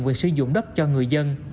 quyền sử dụng đất cho người dân